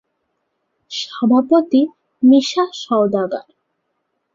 সভাপতি: মিশা সওদাগর।